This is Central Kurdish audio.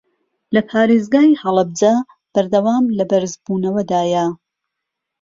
لە پارێزگای هەڵەبجە بەردەوام لە بەرزبوونەوەدایە